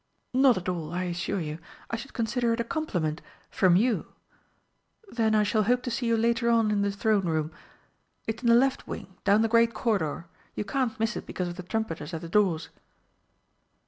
Not at all, I assure you, I should consider it a compliment from you.... Then I shall hope to see you later on in the Throne Room.... It's in the left wing, down the great corridor; you can't miss it because of the trumpeters at the doors."